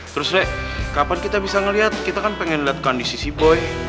terus rek kapan kita bisa ngelihat kita kan pengen letakkan di sisi boy